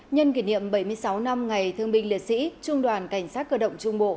nhân kỷ niệm bảy mươi sáu năm ngày thương binh liệt sĩ trung đoàn cảnh sát cơ động trung bộ